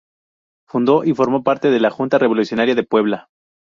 Fundó y formó parte de la Junta Revolucionaria de Puebla.